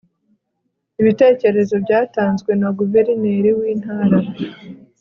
ibitekerezo byatanzwe na guverineri w'intara